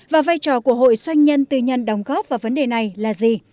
và vai trò của hội doanh nhân tư nhân đóng góp vào vấn đề này là gì